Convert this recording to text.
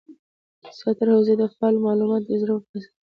زیاتره حوزې د فعالو ماتو یا درزونو پواسطه احاطه شوي دي